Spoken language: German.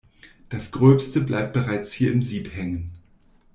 Das Gröbste bleibt bereits hier im Sieb hängen.